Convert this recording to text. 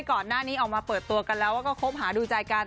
ก่อนหน้านี้ออกมาเปิดตัวกันแล้วว่าก็คบหาดูใจกัน